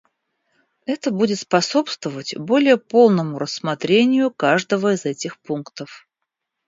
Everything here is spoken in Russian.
Это будет способствовать более полному рассмотрению каждого их этих пунктов.